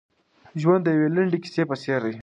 ژوند د یوې لنډې کیسې په څېر دی.